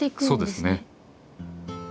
そうですね。